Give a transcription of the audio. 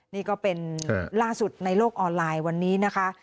นี่ก็เป็นล่าสุดในโลกออนไลน์วันนี้นะคะ